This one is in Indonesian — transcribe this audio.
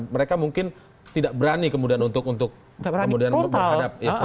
mereka mungkin tidak berani kemudian untuk kemudian berhadap